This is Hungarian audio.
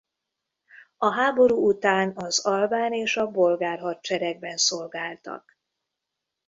A háború után az albán és a bolgár hadseregben szolgáltak.